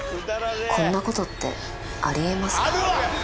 こんなことってあり得ますか？